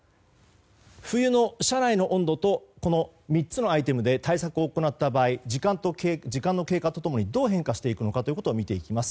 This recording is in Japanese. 冬の車内の温度とこの３つのアイテムで対策を行った場合時間の経過と共にどう変化するか見ていきます。